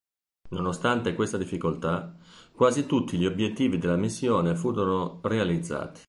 Nonostante questa difficoltà, quasi tutti gli obiettivi della missione furono realizzati.